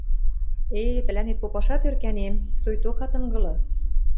Э, тӹлӓнет попашат ӧркӓнем, сойток ат ынгылы.